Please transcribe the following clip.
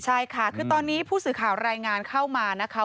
ใช่ค่ะคือตอนนี้ผู้สื่อข่าวรายงานเข้ามานะคะ